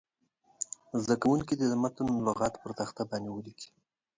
زده کوونکي دې د متن سخت لغات پر تخته ولیکي.